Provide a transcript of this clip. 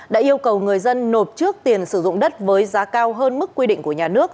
đã yêu cầu người dân nộp trước tiền sử dụng đất với giá cao hơn mức quy định của nhà nước